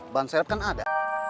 ban serap kan ada